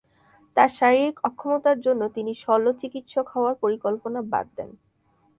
তার শারীরিক অক্ষমতার জন্য তিনি শল্য চিকিৎসক হওয়ার পরিকল্পনা বাদ দেন।